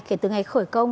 kể từ ngày khởi công